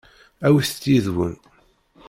Awit-t yid-wen.